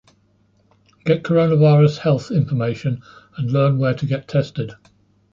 Get coronavirus health information and learn where to get tested.